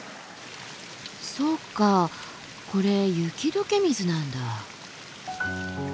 そうかこれ雪解け水なんだ。